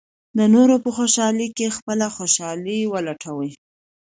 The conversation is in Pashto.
د نورو په خوشالۍ کې خپله خوشالي ولټوئ.